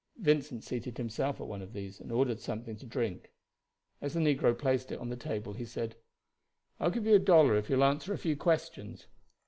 Vincent seated himself at one of these and ordered something to drink. As the negro placed it on the table he said: "I will give you a dollar if you will answer a few questions."